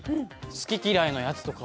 好き嫌いのやつとかも。